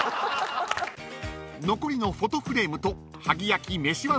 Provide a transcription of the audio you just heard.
［残りのフォトフレームと萩焼飯碗セットの金額は］